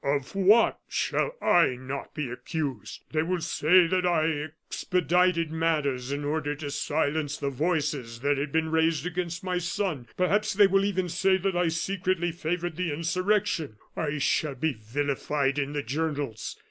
"Of what shall I not be accused? They will say that I expedited matters in order to silence the voice that had been raised against my son. Perhaps they will even say that I secretly favored the insurrection; I shall be vilified in the journals.